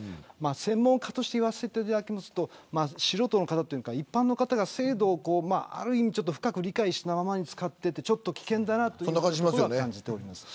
専門家として言わせていただきますと素人の方というか、一般の方が制度を深く理解しないまま使っていて危険だなということは感じております。